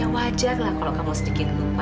wajar lah kalau kamu sedikit lupa